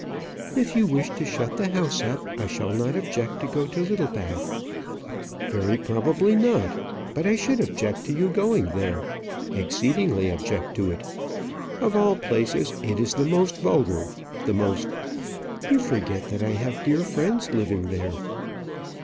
"If you wish to shut the house up, I shall not object to go to Littlebath." "Very probably not. But I should object to you going there exceedingly object to it. Of all places, it is the most vulgar! the most " "You forget that I have dear friends living there."